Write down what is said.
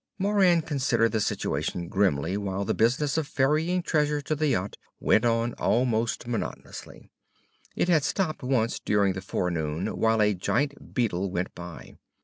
Moran considered the situation grimly while the business of ferrying treasure to the yacht went on almost monotonously. It had stopped once during the forenoon while a giant beetle went by.